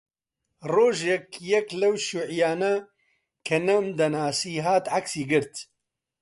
ڕۆژێک یەک لەو شیووعییانە کە نەمدەناسی هات عەکسی گرت